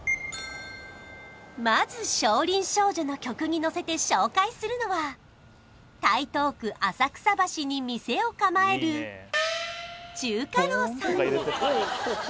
まず「少林少女」の曲にのせて紹介するのは台東区浅草橋に店を構える中華楼さん